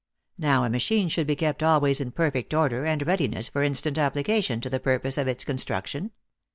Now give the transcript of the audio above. Now, a machine should be kept always in perfect order and readiness for instant application to the purpose of its construction.